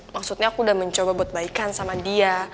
maksudnya aku udah mencoba buat baikan sama dia